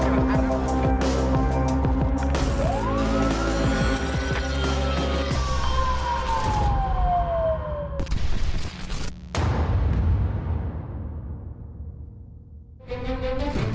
มือ